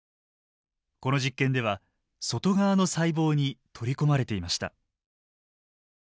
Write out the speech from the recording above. この実験では外側の細胞に取り込まれていました。